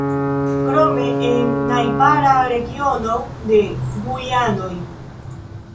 Krome en najbara regiono de Gujanoj.